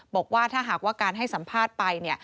บอกว่าถ้าหากว่าการให้สัมภาษณ์ไป